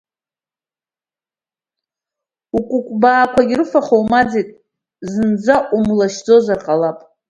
Укәыкәбаақәагьы рыфаха умаӡеит, зынӡа умлашьӡозар ҟалап!